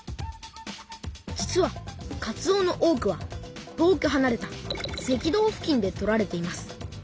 実はかつおの多くは遠くはなれた赤道付近で取られています。